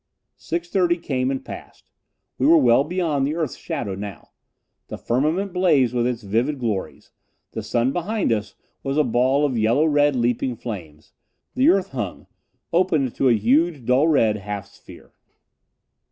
Six thirty came and passed. We were well beyond the earth's shadow now. The firmament blazed with its vivid glories; the sun behind us was a ball of yellow red leaping flames. The earth hung, opened to a huge, dull red half sphere.